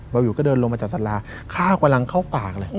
บอฟิวก็เดินลงไปจากสาราข้าก็รั้งเข้าขากเลย